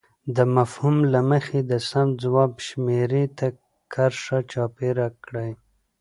د مفهوم له مخې د سم ځواب شمیرې ته کرښه چاپېر کړئ.